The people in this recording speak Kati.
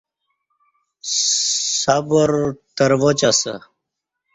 سبر ترواچ اسہ